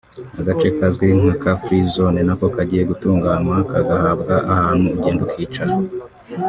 agace kazwi nka Car Free Zone nako kagiye gutunganywa kagahabwa ahantu ugenda ukicara